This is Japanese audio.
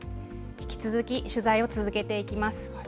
引き続き取材を続けていきます。